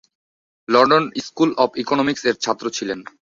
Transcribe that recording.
London School of Economics এর ছাত্র ছিলেন।